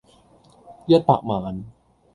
一百萬